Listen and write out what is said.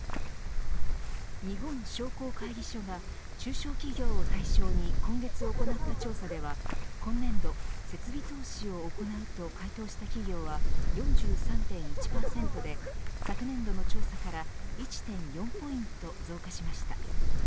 日本商工会議所が中小企業を対象に今月行った調査では今年度、設備投資を行うと回答した企業は４３．１％で昨年度の調査から１．４ポイント増加しました。